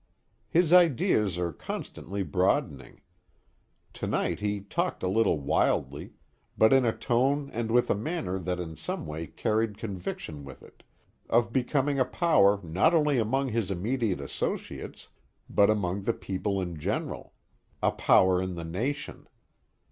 His ideas are constantly broadening. To night he talked a little wildly, but in a tone and with a manner that in some way carried conviction with it, of becoming a power not only among his immediate associates but among the people in general; a power in the nation.